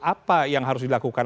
apa yang harus dilakukan